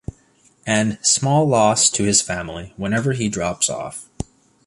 And small loss to his family whenever he drops off.